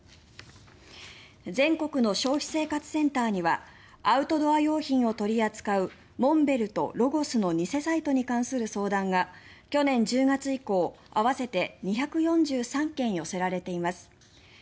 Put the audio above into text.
全国の消費生活センターにはアウトドア用品を取り扱うモンベルとロゴスの偽サイトに関する相談が去年１０月以降合わせて２４３件寄せられています。